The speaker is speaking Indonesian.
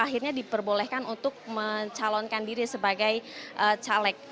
akhirnya diperbolehkan untuk mencalonkan diri sebagai caleg